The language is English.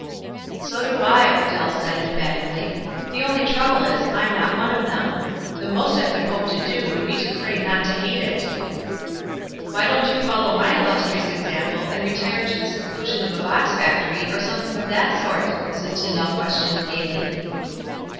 "So do I," Dell said, emphatically. "The only trouble is, I'm not one of them, — the most I could hope to do would be to pray not to hate it." "Why don't you follow my illustrious exau> 214 WISE AND OTHERWISE. pie, and rptire to the seclusion of a box factory, or something of that sort?" Mrs. Tyndall ques tioned, gayly.